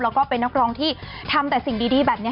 แล้วก็เป็นนักร้องที่ทำแต่สิ่งดีแบบนี้